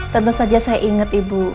tentu saja saya ingat ibu